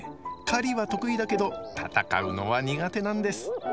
狩りは得意だけど戦うのは苦手なんです。